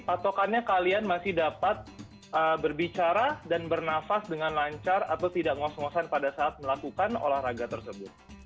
patokannya kalian masih dapat berbicara dan bernafas dengan lancar atau tidak ngos ngosan pada saat melakukan olahraga tersebut